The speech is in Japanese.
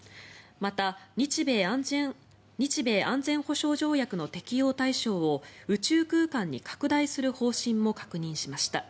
また日米安全保障条約の適用対象を宇宙空間に拡大する方針も確認しました。